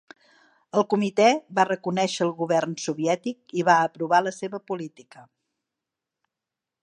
El comitè va reconèixer el govern soviètic i va aprovar la seva política.